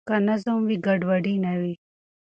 که نظم وي ګډوډي نه وي.